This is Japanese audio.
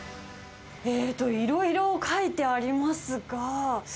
えーと、いろいろ書いてありますが。